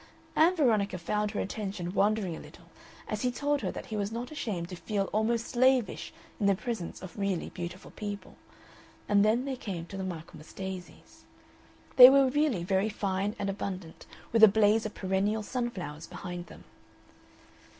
Ann Veronica found her attention wandering a little as he told her that he was not ashamed to feel almost slavish in the presence of really beautiful people, and then they came to the Michaelmas daisies. They were really very fine and abundant, with a blaze of perennial sunflowers behind them.